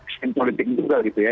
stain politik juga gitu ya